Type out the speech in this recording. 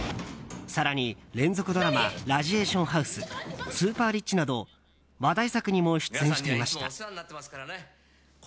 更に、連続ドラマ「ラジエーションハウス」「ＳＵＰＥＲＲＩＣＨ」など話題作にも出演していました。